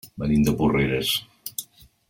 Venim de Porreres.